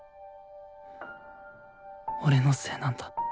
俺のせいなんだ。